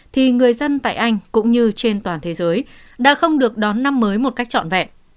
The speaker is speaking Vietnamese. thì người dân tại anh cũng như trên toàn thế giới đã không được đón năm mới một cách trọn vẹn